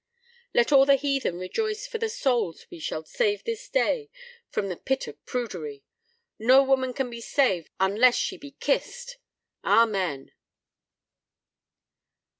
Let all the heathen rejoice for the souls we shall save this day from the pit of prudery. No woman can be saved unless she be kissed. Amen."